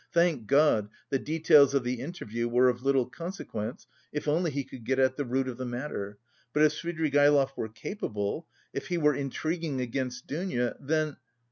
Thank God, the details of the interview were of little consequence, if only he could get at the root of the matter; but if Svidrigaïlov were capable... if he were intriguing against Dounia then...